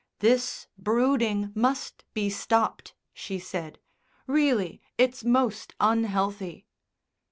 "This brooding must be stopped," she said. "Really, it's most unhealthy."